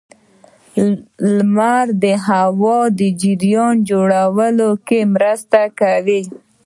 • لمر د هوا د جریان جوړولو کې مرسته کوي.